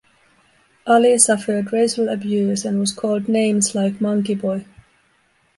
Ali suffered racial abuse and was called names like Monkey boy.